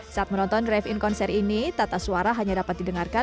saat menonton drive in konser ini tata suara hanya dapat didengarkan